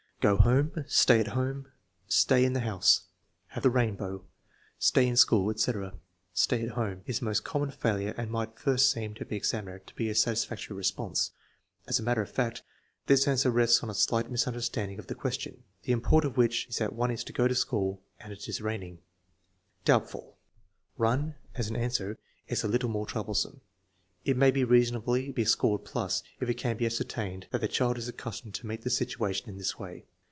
"Go home," "Stay at home," "Stay in the house," "Have the rainbow," "Stay in school," etc. "Stay at home" is the most common failure and might at first seem to the examiner to be a satisfactory response. As a matter of fact, this answer rests on a slight misunderstanding of the question, the import of which is that one is to go to school and it is raining. Doubtful. "Run" as an answer is a little more troublesome. It may reasonably be scored plus if it can be ascertained that the child is accustomed to meet the situation in this way.